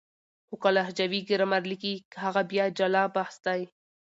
خو که لهجوي ګرامر ليکي هغه بیا جلا بحث دی.